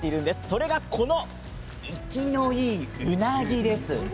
それが、この生きのいいうなぎです。